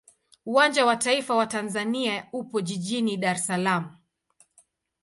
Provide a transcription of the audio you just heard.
Uwanja wa taifa wa Tanzania upo jijini Dar es Salaam.